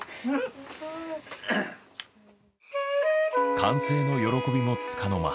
完成の喜びもつかの間。